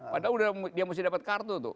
padahal dia mesti dapat kartu tuh